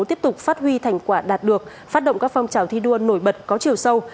tiếp tục phát huy thành quả đạt được phát động các phong trào thi đua nổi bật có chiều sâu